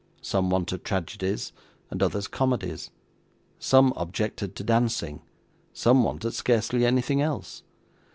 Some wanted tragedies, and others comedies; some objected to dancing; some wanted scarcely anything else.